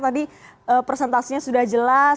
tadi presentasinya sudah jelas